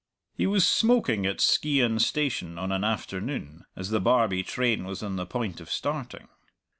He was smoking at Skeighan Station on an afternoon, as the Barbie train was on the point of starting.